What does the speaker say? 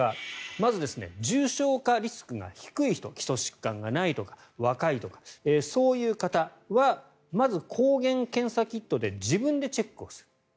まず重症化リスクが低い人基礎疾患がないとか若いとか、そういう方はまず抗原検査キットで自分でチェックをする。